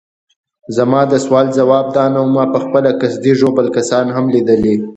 زما د سوال ځواب دا نه وو، ما پخپله قصدي ژوبل کسان هم لیدلي.